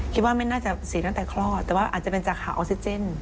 คิดว่าไม่น่าจะเสียตั้งแต่คลอดแต่ว่าอาจจะเป็นจากข่าวออกซิเจน